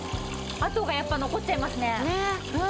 跡がやっぱ残っちゃいますね。